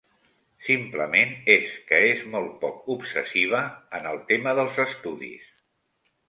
Simplement és que és molt poc obsessiva en el tema dels estudis.